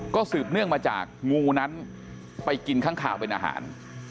ก็สืบเนื่องมาจากงูนั้นไปกินข้างคาวเป็นอาหาร